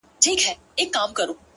د مېرمن شکیلا ناز د ناروغۍ خبر غمجن کړم